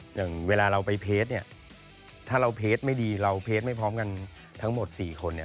อย่างเวลาเราไปเพจถ้าเราเพจไม่ดีเราเพจไม่พร้อมกันทั้งหมด๔คน